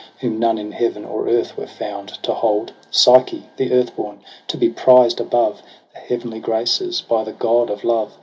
Whom none in heaven or earth were found to hold! Psyche, the earthborn, to be prized above The heavenly Graces by the God of love.